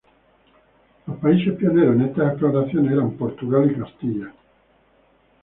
Los países pioneros en estas exploraciones eran Portugal y Castilla.